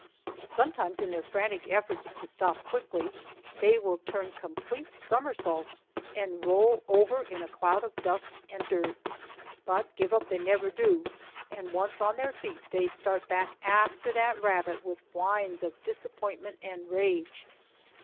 Sometimes, in their frantic efforts to stop quickly, they will turn complete somersaults and roll over in a cloud of dust and dirt. But give up they never do, and once on their feet they start back after that rabbit with whines of disappointment and rage.